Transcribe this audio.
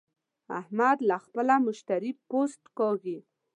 احمد له خپله مشتري پوست کاږي.